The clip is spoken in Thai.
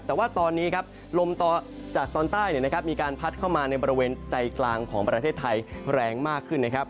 แต่ว่าตอนนี้ครับลมจากตอนใต้มีการพัดเข้ามาในบริเวณใจกลางของประเทศไทยแรงมากขึ้นนะครับ